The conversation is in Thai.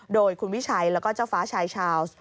โดยคุณวิชัยแล้วก็เจ้าฟ้าชายชาวส์